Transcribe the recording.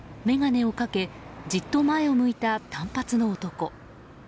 眼鏡をかけじっと前を向いた短髪の男。